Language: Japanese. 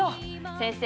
先生